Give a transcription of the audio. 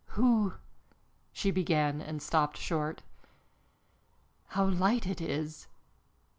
"Who " she began and stopped short. "How light it is!